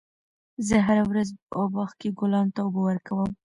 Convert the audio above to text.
زه هره ورځ په باغ کې ګلانو ته اوبه ورکوم.